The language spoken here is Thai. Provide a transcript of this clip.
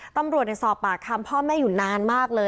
ตำรวจสอบปากคำพ่อแม่อยู่นานมากเลย